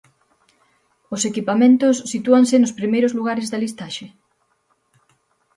Os equipamentos sitúanse nos primeiros lugares da listaxe?